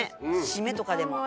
締めとかでも。